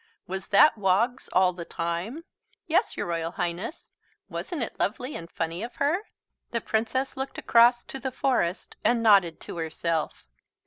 "Was that Woggs all the time?" "Yes, your Royal Highness. Wasn't it lovely and funny of her?" The Princess looked across to the forest and nodded to herself.